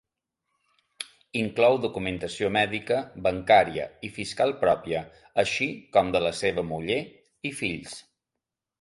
Inclou documentació mèdica, bancària i fiscal pròpia, així com de la seva muller i fills.